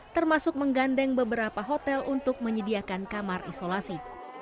termasuk menggandeng beberapa hotel untuk menyediakan kamar isolasi